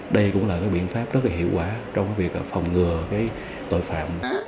đây cũng là biện pháp rất hiệu quả trong việc phòng ngừa tội phạm